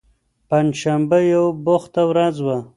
پنجشنبه یوه بوخته ورځ وه.